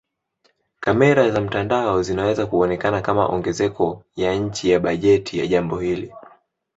Kamera za mtandao zinaweza kuonekana kama ongezeko ya chini ya bajeti ya jambo hili.